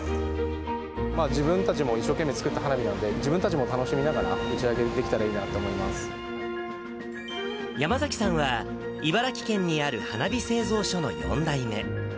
自分たちも一生懸命作った花火なんで、自分たちも楽しみながら、打ち上げできたらいいなと思山崎さんは茨城県にある花火製造所の４代目。